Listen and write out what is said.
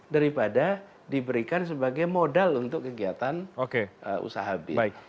daripada diberikan sebagai modal untuk kegiatan usaha bis